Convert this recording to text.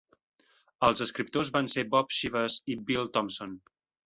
Els escriptors van ser Bob Shives i Bill Thompson.